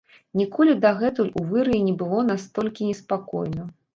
Ніколі дагэтуль у выраі не было настолькі неспакойна.